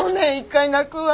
１回泣くわ。